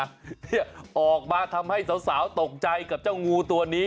เนี่ยออกมาทำให้สาวตกใจกับเจ้างูตัวนี้